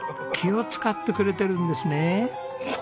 気を使ってくれてるんですね。